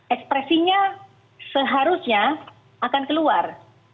ekspresinya seharusnya akan keluar